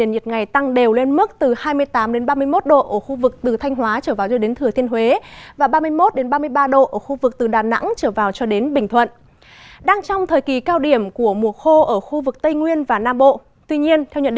hãy đăng ký kênh để ủng hộ kênh của chúng mình nhé